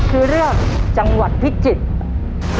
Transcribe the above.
คือเรื่องจังหวัดพิจิตร